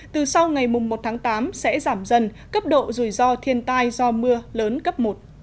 từ sau ngày một tháng tám sẽ giảm dần cấp độ rủi ro thiên tai do mưa lớn cấp một